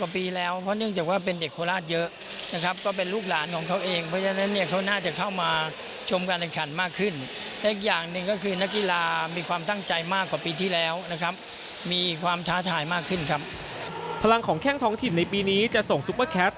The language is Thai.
พลังของแข้งท้องถิ่นในปีนี้จะส่งซุปเปอร์แคป